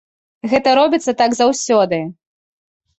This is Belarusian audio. Гэта робіцца так заўсёды.